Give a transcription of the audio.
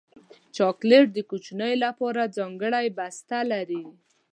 چاکلېټ د کوچنیو لپاره ځانګړی بسته لري.